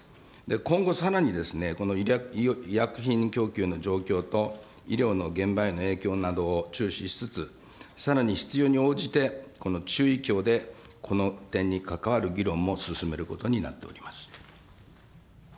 今後さらに、この医薬品供給の状況と、医療の現場への影響などを注視しつつ、さらに必要に応じて、この中医協で、この点に関わる議論も進めることになっております。